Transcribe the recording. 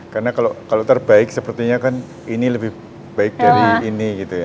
karena kalau terbaik sepertinya kan ini lebih baik dari ini gitu ya